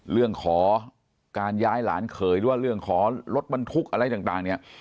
เรื่องขอการย้ายหลานเคยเรื่องขอลดบันทุกข์อะไรต่าง